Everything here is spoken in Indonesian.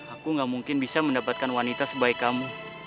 aku gak mungkin bisa mendapatkan wanita sebaik kamu